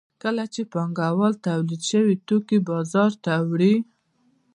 کله چې پانګوال تولید شوي توکي بازار ته وړي